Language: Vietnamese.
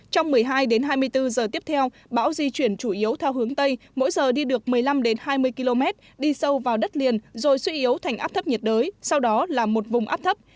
trong một mươi hai đến hai mươi bốn giờ tiếp theo bão di chuyển chủ yếu theo hướng tây mỗi giờ đi được một mươi năm hai mươi km đi sâu vào đất liền rồi suy yếu thành áp thấp nhiệt đới sau đó là một vùng áp thấp